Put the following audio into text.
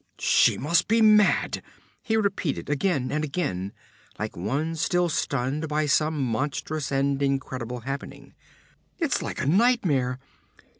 'She must be mad!' he repeated again and again, like one still stunned by some monstrous and incredible happening. 'It's like a nightmare!